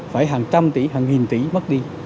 phải hàng trăm tỷ hàng nghìn tỷ mất đi